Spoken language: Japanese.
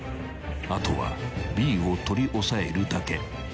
［あとはＢを取り押さえるだけ］